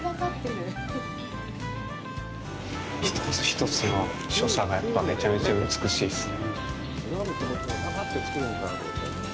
一つ一つの所作がめちゃめちゃ美しいですね。